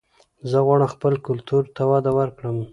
زه غواړم خپل کلتور ته وده ورکړم